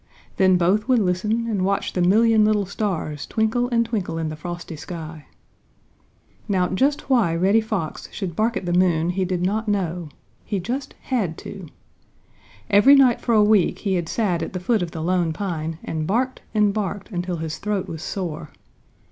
Then both would listen and watch the million little stars twinkle and twinkle in the frosty sky. Now just why Reddy Fox should bark at the moon he did not know. He just had to. Every night for a week he had sat at the foot of the Lone Pine and barked and barked until his throat was sore.